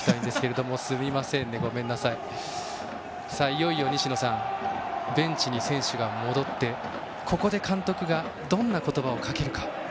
いよいよ、西野さんベンチに選手が戻ってここで監督がどんな言葉をかけるか。